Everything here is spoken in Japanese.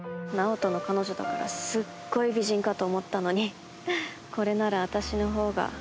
直人の彼女だからすっごい美人かと思ったのにこれなら私の方が。